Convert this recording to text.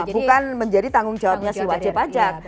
bukan menjadi tanggung jawabnya si wajib pajak